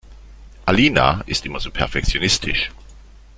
Alina ist immer so perfektionistisch.